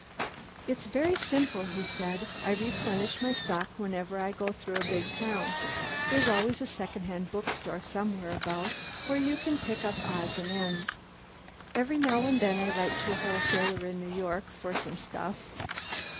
"It's very simple," he said. "I replenish my stock whenever I go through a big town. There's always a second hand bookstore somewhere about, where you can pick up odds and ends. And every now and then I write to a wholesaler in New York for some stuff.